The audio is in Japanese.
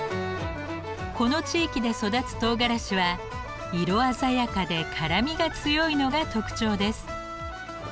この地域で育つとうがらしは色鮮やかで辛みが強いのが特徴です。